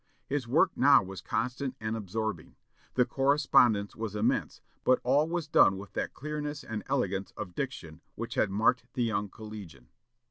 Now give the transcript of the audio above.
His work now was constant and absorbing. The correspondence was immense, but all was done with that clearness and elegance of diction which had marked the young collegian.